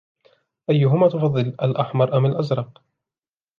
أيهما تفضل الأحمر أم الازرق ؟